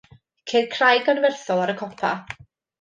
Ceir craig anferthol ar y copa.